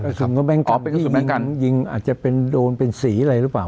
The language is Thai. กระสุนของแบรงค์กันที่ยิงอาจจะโดนเป็นสีอะไรหรือเปล่า